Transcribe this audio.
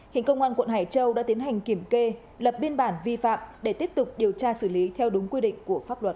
hiện công an quận hải châu đã tiến hành kiểm kê lập biên bản vi phạm để tiếp tục điều tra xử lý theo đúng quy định của pháp luật